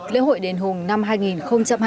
lễ hội đền hùng năm hai nghìn hai mươi bốn